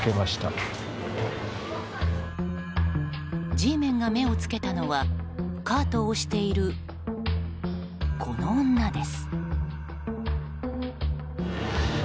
Ｇメンが目を付けたのはカートを押しているこの女です。